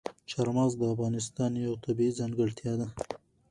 چار مغز د افغانستان یوه طبیعي ځانګړتیا ده.